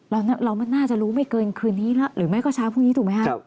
เราน่าจะรู้ไม่เกินคืนนี้แล้วหรือไม่ก็เช้าพรุ่งนี้ถูกไหมครับ